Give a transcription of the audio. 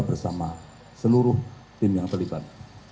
bersama seluruh tim yang terlibat